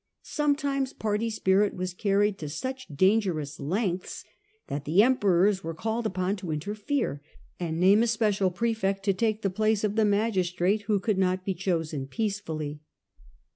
Sometimes party spirit was carried to such dangerous lengths that the Emperors were called upon to interfere and name a special pra^fect to take the place of the magistrate who could not be chosen peacefully.